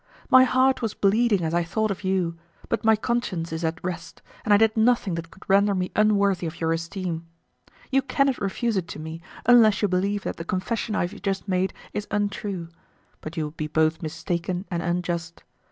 My heart was bleeding as I thought of you; but my conscience is at rest, and I did nothing that could render me unworthy of your esteem. You cannot refuse it to me, unless you believe that the confession I have just made is untrue; but you would be both mistaken and unjust.